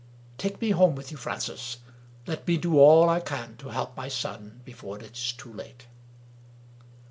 Take me home with you, Francis. Let me do all I can to help my son, before it is too late."